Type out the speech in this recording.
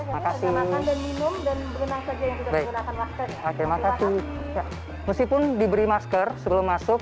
meskipun diberi masker sebelum masuk